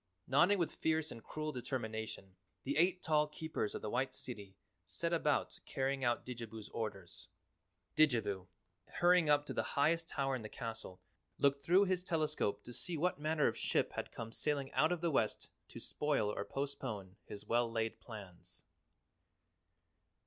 Nodding with fierce and cruel determination, the eight tall Keepers of the White City set about carrying out Didjabo's orders. Didjabo, hurrying up to the highest tower in the castle, looked through his telescope to see what manner of ship had come sailing out of the west to spoil or postpone his well laid plans.